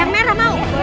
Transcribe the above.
yang merah mau